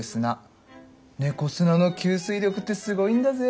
猫砂の吸水力ってすごいんだぜ。